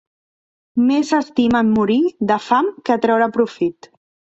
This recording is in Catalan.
Més s'estimen morir de fam que treure profit.